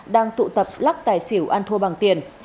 đang tụ tập lắc tài xỉu ăn thua bằng tiền